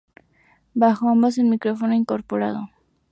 Bajo ambos el micrófono incorporado.